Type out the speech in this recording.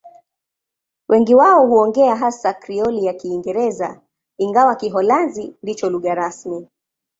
Wengi wao huongea hasa Krioli ya Kiingereza, ingawa Kiholanzi ndicho lugha rasmi.